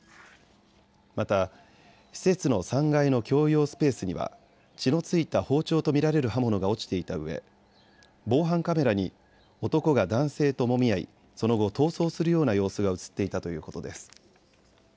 また施設の３階の共用スペースには血の付いた包丁と見られる刃物が落ちていたうえ防犯カメラに男が男性ともみ合いその後、逃走するような様子が写っていたということです。